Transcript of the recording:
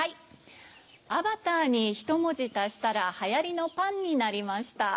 『アバター』にひと文字足したら流行りのパンになりました。